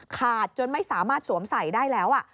จนไม่สามารถสวมใส่ได้แล้ว